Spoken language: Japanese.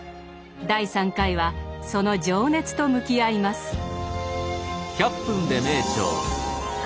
第３回はその情熱と向き合います。